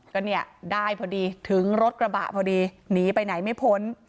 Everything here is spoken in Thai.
ก็เนี่ยได้พอดีถึงรถกระบะพอดีหนีไปไหนไม่พ้น